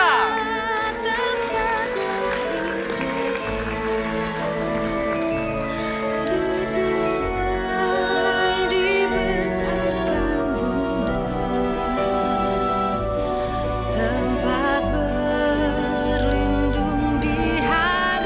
tempat berlindung di hari tua